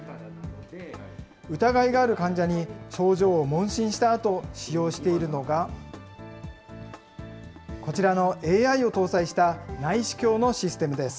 疑いがある患者に症状を問診したあと、使用しているのが、こちらのＡＩを搭載した内視鏡のシステムです。